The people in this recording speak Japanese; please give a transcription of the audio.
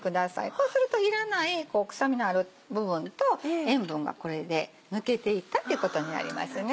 こうするといらない臭みのある部分と塩分がこれで抜けていったってことになりますね。